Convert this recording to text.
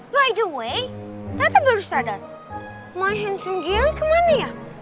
by the way tata baru sadar my handsome geri kemana ya